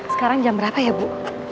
sekarang jam berapa ya bu